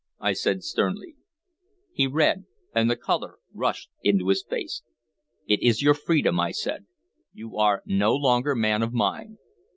I said sternly. He read, and the color rushed into his face. "It is your freedom," I said. "You are no longer man of mine.